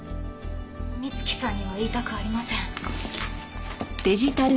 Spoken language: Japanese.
美月さんには言いたくありません。